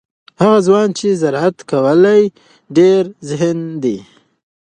هغه ځوان چې زراعت لولي ډیر ذهین دی.